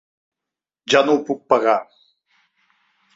Ja no ho puc pagar.